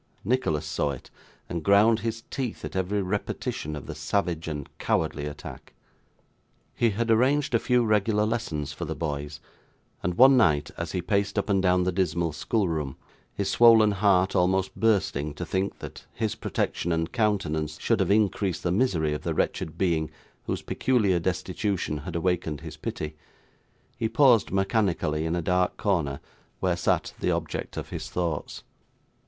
Nicholas saw it, and ground his teeth at every repetition of the savage and cowardly attack. He had arranged a few regular lessons for the boys; and one night, as he paced up and down the dismal schoolroom, his swollen heart almost bursting to think that his protection and countenance should have increased the misery of the wretched being whose peculiar destitution had awakened his pity, he paused mechanically in a dark corner where sat the object of his thoughts.